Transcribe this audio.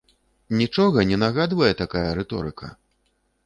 Нічога не нагадвае такая рыторыка?